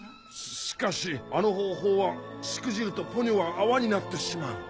しかしあの方法はしくじるとポニョは泡になってしまう。